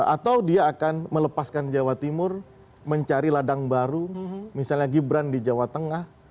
atau dia akan melepaskan jawa timur mencari ladang baru misalnya gibran di jawa tengah